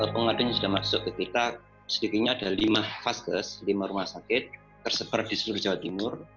pengaduan yang sudah masuk ke kita sedikitnya ada lima faskes lima rumah sakit tersebar di seluruh jawa timur